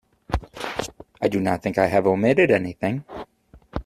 I do not think I have omitted anything.